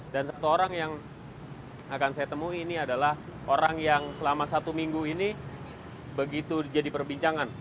dan satu orang yang akan saya temui ini adalah orang yang selama satu minggu ini begitu jadi perbincangan